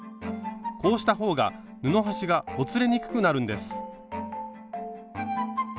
こうした方が布端がほつれにくくなるんです。